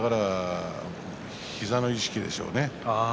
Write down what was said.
膝の意識でしょうね。